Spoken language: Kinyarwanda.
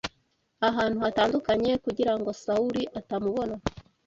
ahantu hatandukanye kugira ngo Sawuli atamubona